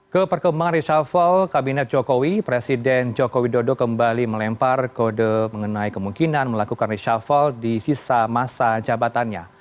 ke perkembangan reshuffle kabinet jokowi presiden jokowi dodo kembali melempar kode mengenai kemungkinan melakukan reshuffle di sisa masa jabatannya